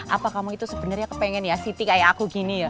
apa kamu itu sebenarnya kepengen ya city kayak aku gini ya